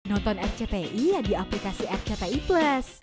nonton rcti di aplikasi rcti plus